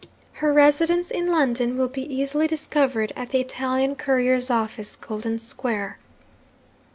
Her residence in London will be easily discovered at the Italian Couriers' Office, Golden Square.